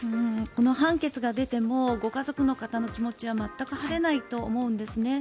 この判決が出てもご家族の方の気持ちは全く晴れないと思うんですね。